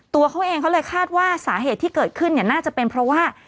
ตัวเขาเองเขาเลยคาดว่าสาเหตุที่เกิดขึ้นเนี่ยน่าจะเป็นเพราะว่า